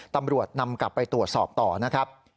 ตำรวจนำกลับไปตรวจสอบต่อนะครับ